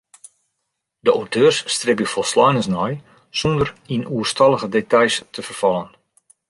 De auteurs stribje folsleinens nei sûnder yn oerstallige details te ferfallen.